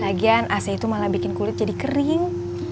lagian ac itu malah bikin kulit jadi kering